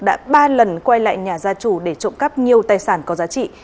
đã ba lần quay lại nhà gia chủ để trộm cắp nhiều tài sản có giá trị